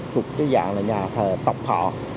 thuộc cái dạng là nhà thờ tộc họ